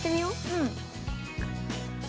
うん。